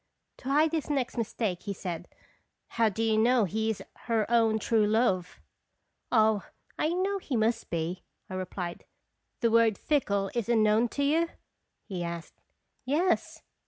To hide his next mistake he said, "How do you know he is her own true love ?"" Oh, I know he must be," I replied. "The word 'fickle' is unknown to you?" he asked. "Yes.